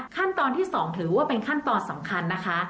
ขั้นตอนที่๒ถือว่าเป็นขั้นตอนสำคัญนะคะ